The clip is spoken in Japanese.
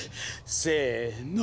せの。